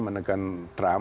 yang diperlukan oleh yerusalem